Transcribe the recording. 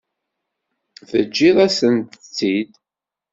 Teǧǧiḍ-asent-tt-id.